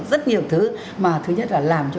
rất nhiều thứ mà thứ nhất là làm cho